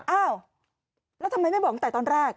อ้าวแล้วทำไมไม่บอกตั้งแต่ตอนแรก